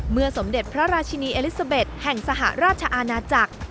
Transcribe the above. สมเด็จพระราชินีเอลิซาเบ็ดแห่งสหราชอาณาจักร